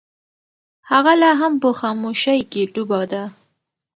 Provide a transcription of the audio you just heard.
هغه لا هم په خاموشۍ کې ډوبه ده.